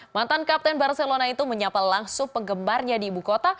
mantan kapten barcelona itu menyapa langsung penggemarnya di ibu kota